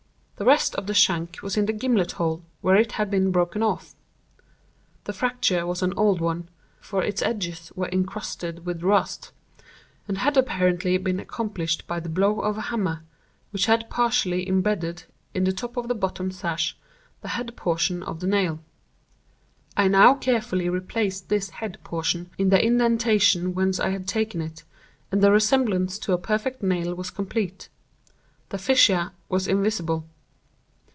The rest of the shank was in the gimlet hole where it had been broken off. The fracture was an old one (for its edges were incrusted with rust), and had apparently been accomplished by the blow of a hammer, which had partially imbedded, in the top of the bottom sash, the head portion of the nail. I now carefully replaced this head portion in the indentation whence I had taken it, and the resemblance to a perfect nail was complete—the fissure was invisible.